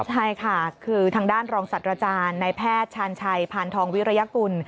ใช่ค่ะคือทางด้านรองศัตว์อาจารย์ในแพทย์ชาญชัยพานทองวิริยกุล